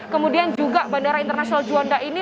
kemudian juga bandara internasional juanda ini